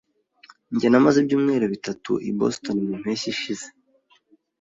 Njye namaze ibyumweru bitatu i Boston mu mpeshyi ishize.